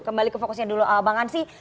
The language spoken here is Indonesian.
kembali ke fokusnya dulu bang ansi